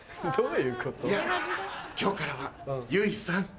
いや今日からは結衣さん。